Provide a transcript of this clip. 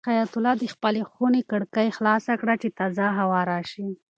حیات الله د خپلې خونې کړکۍ خلاصه کړه چې تازه هوا راشي.